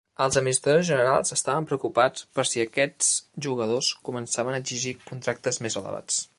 Els administradors generals estaven preocupats per si aquests jugadors començaven a exigir contractes més elevats.